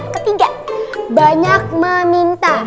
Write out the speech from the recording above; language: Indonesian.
ketiga banyak meminta